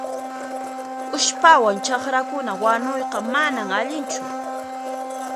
Usphawan chakrakuna wanuyqa manan allinchu.